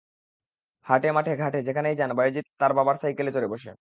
হাটে, মাঠে, ঘাটে যেখানেই যান, বায়েজিদ তার বাবার সাইকেলে চড়ে বসে।